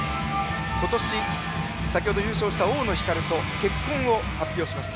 今年、先程優勝した大野ひかると結婚を発表しました。